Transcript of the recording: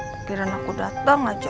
kira kira aku datang aja